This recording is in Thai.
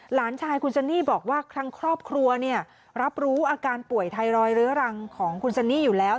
หลานชายคุณซันนี่บอกว่าทั้งครอบครัวเนี่ยรับรู้อาการป่วยไทรอยดเรื้อรังของคุณซันนี่อยู่แล้ว